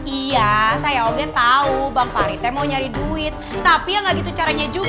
iya saya ogen tau bang farid teh mau nyari duit tapi ya gak gitu caranya juga dong